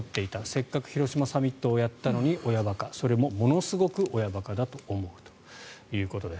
せっかく広島サミットをやったのに親バカ、それもものすごく親バカだと思うということです。